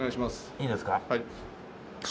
いいですか？